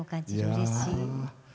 うれしい。